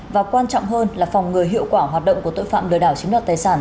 và quan trọng hơn là phòng ngừa hiệu quả hoạt động của tội phạm lừa đảo chiếm đoạt tài sản